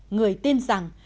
người tin rằng